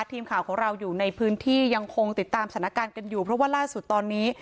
ทีมข่าวของเราอยู่ในพื้นที่ยังคงติดตามสถานการณ์กันอยู่เพราะว่าล่าสุดตอนนี้